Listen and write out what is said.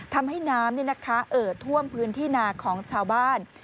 ทำให้น้ำเอ่อท่วมพื้นที่นาของชาวบ้าน